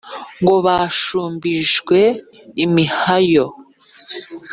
ngo bashumbijwe imihayo.